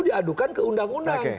diadukan ke undang undang